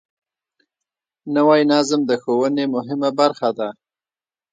نوی نظم د ښوونې مهمه برخه ده